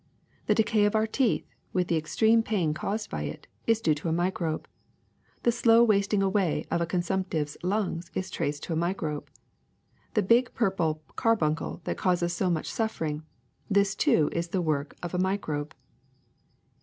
The decay of our teeth, with the extreme pain caused by it, is due to a microbe ; the slow wasting away of a consumptive's lungs is traced to a microbe; the big purple carbuncle that causes so much suffering, this too is the work of a microbe.